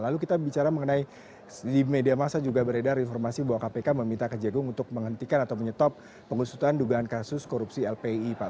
lalu kita bicara mengenai di media masa juga beredar informasi bahwa kpk meminta kejagung untuk menghentikan atau menyetop pengusutan dugaan kasus korupsi lpi pak